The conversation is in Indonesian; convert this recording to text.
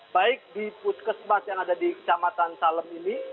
baik di puskesmas yang ada di kecamatan salem ini